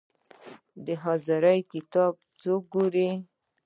د حاضري کتاب څوک ګوري؟